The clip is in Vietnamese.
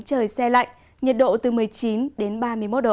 trời xe lạnh nhiệt độ từ một mươi chín đến ba mươi một độ